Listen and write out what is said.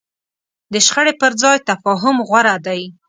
د شخړې پر ځای تفاهم غوره دی.